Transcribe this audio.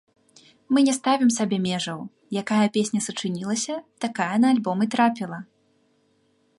Мы не ставім сабе межаў, якая песня сачынілася, такая на альбом і трапіла!